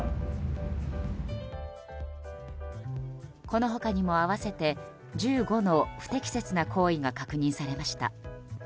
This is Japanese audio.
この他にも合わせて１５の不適切な行為が確認されました。